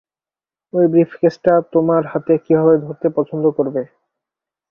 ওই ব্রিফকেসটা তোমার হাতে কীভাবে ধরতে পছন্দ করবে?